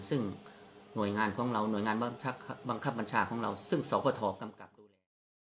ซึ่งหน่วยงานของเราหน่วยงานบังคับบัญชาของเราซึ่งสกทกำกับดูแล